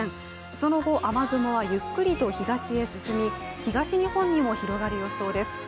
その後、雨雲はゆっくりと東へ進み東日本にも広がる予想です。